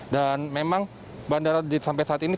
dan memang bandara sampai saat ini